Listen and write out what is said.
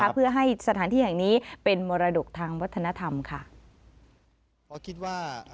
เพื่อให้สถานที่แห่งนี้เป็นมรดกทางวัฒนธรรมค่ะ